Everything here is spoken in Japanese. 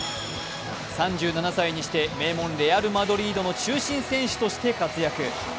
３７歳にして名門レアル・マドリードの中心選手として活躍。